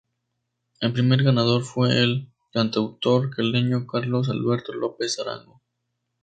El primer ganador fue el cantautor caleño Carlos Alberto López Arango.